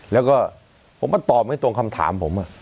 แล้วก็ผมก็ตอบไม่ตรงคำถามผม